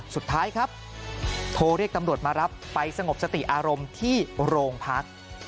สุดท้ายครับโทรเรียกตำรวจมารับไปสงบสติอารมณ์ที่โรงพัก